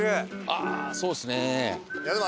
ああそうですね。